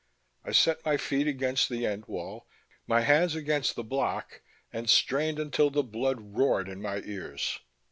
I set my feet against the end wall, my hands against the block, and strained until the blood roared in my ears.